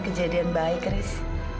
kejadian baik riz